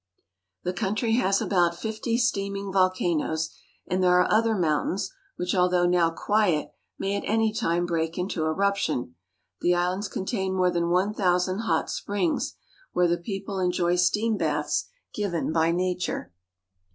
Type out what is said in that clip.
The country has about fifty steaming vol canoes, and there are other mountains which although now quiet may at any time break into eruption. The islands contain more than one thousand hot springs, where the people enjoy steam baths given by nature.